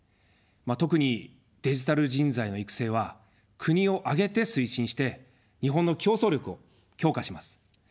特にデジタル人材の育成は国を挙げて推進して、日本の競争力を強化します。